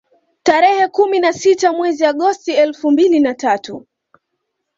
Tarehe kumi na sita mwezi Agosti elfu mbili na tatu